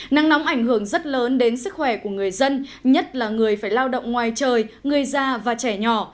nắng nóng ảnh hưởng rất lớn đến sức khỏe của người dân nhất là người phải lao động ngoài trời người già và trẻ nhỏ